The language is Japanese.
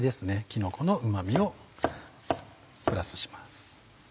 キノコのうま味をプラスします。